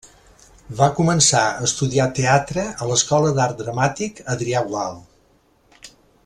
Va començar a estudiar teatre a l’Escola d’Art Dramàtic Adrià Gual.